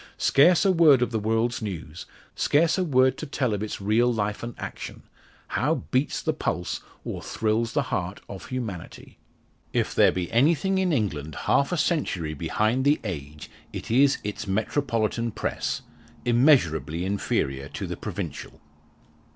Scarce a word of the world's news, scarce a word to tell of its real life and action how beats the pulse, or thrills the heart of humanity! If there be anything in England half a century behind the age it is its Metropolitan Press immeasurably inferior to the Provincial.